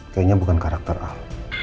kayaknya bukan karakter al